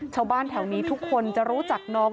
ชาวบ้านแถวนี้ทุกคนจะรู้จักน้อง